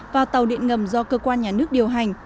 và tàu điện ngầm do cơ quan nhà nước điều hành